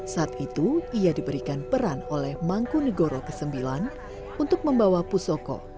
saat itu ia diberikan peran oleh mangkunegoro ke sembilan untuk membawa pusoko